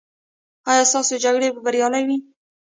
ایا ستاسو جرګې به بریالۍ وي؟